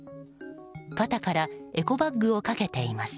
肩からエコバッグをかけています。